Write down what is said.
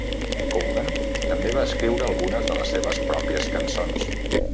Cogan també va escriure algunes de les seves pròpies cançons.